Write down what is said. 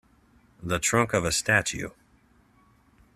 The trunk of a statue.